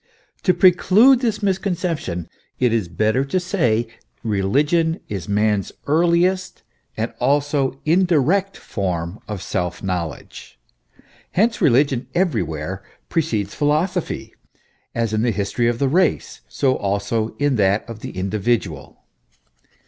To preclude this miscon ception, it is better to say, religion is man's earliest and also indirect form of self knowledge. Hence, religion everywhere precedes philosophy, as in the history of the race, so also in that of the individual.